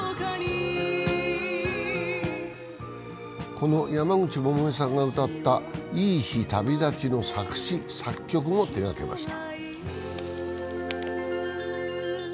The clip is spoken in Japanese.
この山口百恵さんが歌った「いい日旅立ち」の作詞作曲も手がけました。